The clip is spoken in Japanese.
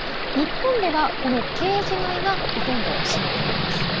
日本では、このケージ飼いがほとんどを占めています。